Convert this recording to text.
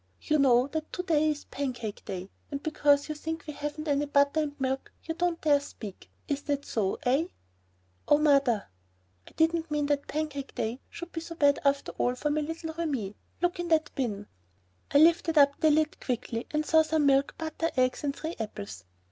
You know that to day is Pancake day, and because you think we haven't any butter and milk you don't dare speak. Isn't that so, eh? "Oh, Mother." "I didn't mean that Pancake day should be so bad after all for my little Remi. Look in that bin." I lifted up the lid quickly and saw some milk, butter, eggs, and three apples.